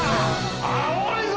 青いぞ！